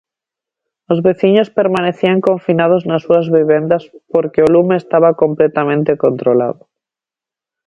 Os veciños permanecían confinados nas súas vivendas, porque o lume estaba completamente controlado.